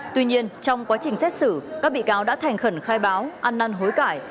tuy nhiên trong quá trình xét xử các bị cáo đã thành khẩn khai báo ăn năn hối cải